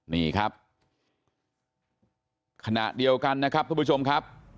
นี่ครับขณะเดียวกันนะครับทุกผู้ชมครับ